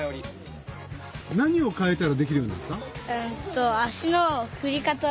何を変えたらできるようになった？